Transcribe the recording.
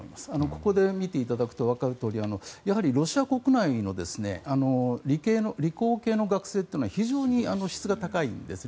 ここで見ていただくと分かるとおり、ロシア国内の理工系の学生は非常に質が高いんです。